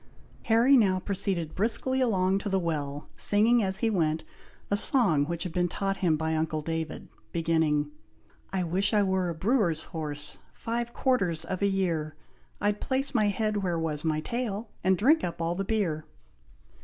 Harry now proceeded briskly along to the well, singing as he went, a song which had been taught him by uncle David, beginning, I wish I were a brewer's horse, Five quarters of a year, I'd place my head where was my tail, And drink up all the beer.